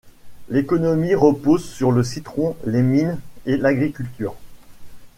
L'économie repose sur le citron, les mines et l'agriculture.